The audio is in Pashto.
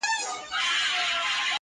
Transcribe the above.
• هره ورځ چي وو طبیب له کوره تللی -